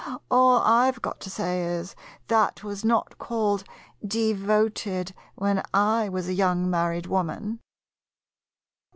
Well, all I 've got to say is, that was not called " devoted " when I was a young married woman!